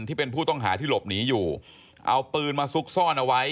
ที่เป็นผู้ต้องหาที่หลบหนีอยู่เอาปืนมาซุกซ่อนเอาไว้